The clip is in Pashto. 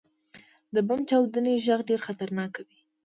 • د بم چاودنې ږغ ډېر خطرناک وي.